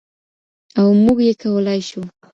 او موږ يې کولای شو.